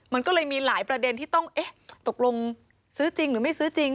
มันก็เลยมีหลายประเด็นที่ต้องเอ๊ะตกลงซื้อจริงหรือไม่ซื้อจริง